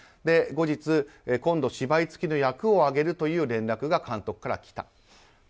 後日、今度芝居つきの役をあげるという連絡が監督から来た。